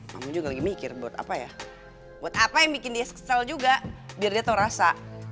mama juga lagi mikir buat apa ya buat apa yang bikin dia kesel juga biar dia tuh rasa